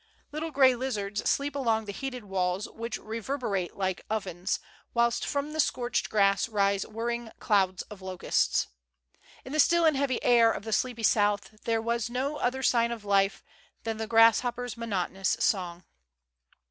Little gray lizards sleep along the heated walls, which reverberate like ovens, whilst from the scorched grass rise whirring clouds of locusts. In the still and heavy air of the sleepy South there was no other sign of life than the grasshopper^s monotonous song.